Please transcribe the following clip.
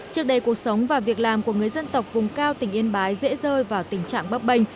trước đây cuộc sống và việc làm của người dân tộc vùng cao tỉnh yên bái dễ rơi vào tình trạng bấp bênh